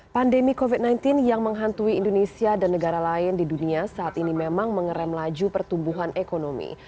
pandemi covid sembilan belas yang menghantui indonesia dan negara lain di dunia saat ini memang mengeram laju pertumbuhan ekonomi